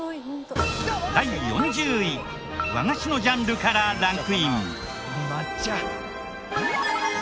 第４０位和菓子のジャンルからランクイン。